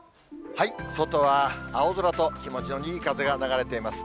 外は青空と、気持ちのいい風が流れています。